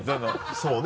そうね。